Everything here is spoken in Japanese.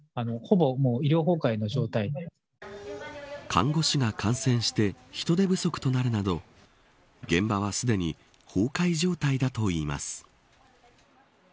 看護師が感染して人手不足となるなど現場はすでに崩壊状態だといいます。